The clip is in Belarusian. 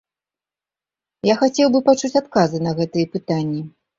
Я хацеў бы пачуць адказы на гэтыя пытанні.